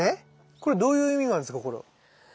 これどういう意味があるんですか？